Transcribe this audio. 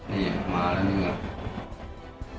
นี่มาแล้วนี่ก็